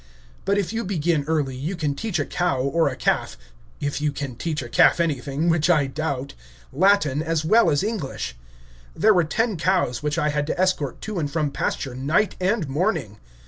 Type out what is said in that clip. But if you begin early, you can teach a cow, or a calf (if you can teach a calf anything, which I doubt), Latin as well as English. There were ten cows, which I had to escort to and from pasture night and morning.